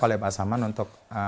oleh pak saman untuk